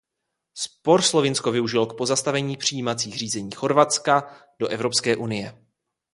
Spor Slovinsko využilo k pozastavení přijímacích řízeních Chorvatska do Evropské unie.